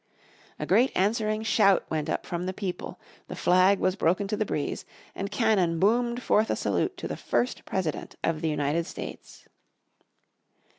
A great answering shout went up from the people, the flag was broken to the breeze, and cannon boomed forth a salute to the first President of the United States.